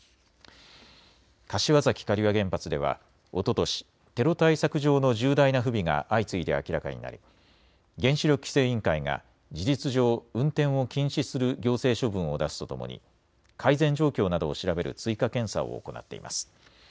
柏崎刈羽原発ではおととしテロ対策上の重大な不備が相次いで明らかになり原子力規制委員会が事実上運転を禁止する行政処分を出すとともに改善状況などを調べる追加検査を行っています。